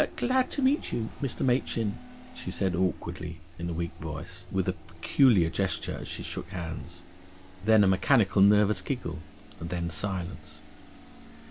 "Glad to meet you, Mr. Machin," she said awkwardly, in a weak voice, with a peculiar gesture as she shook hands. Then, a mechanical nervous giggle and then silence.